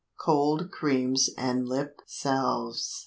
Cold Creams and Lip Salves.